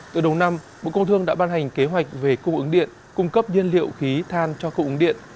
từ đầu năm bộ công thương đã ban hành kế hoạch về cung ứng điện cung cấp nhiên liệu khí than cho cung ứng điện